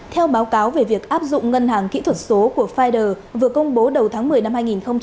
theo báo cáo về việc áp dụng ngân hàng kỹ thuật số của fider vừa công bố đầu tháng một mươi năm hai nghìn hai mươi ba